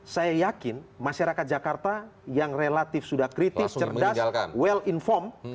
saya yakin masyarakat jakarta yang relatif sudah kritis cerdas well informed